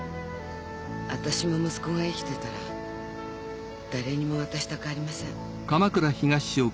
私も息子が生きてたら誰にも渡したくありません。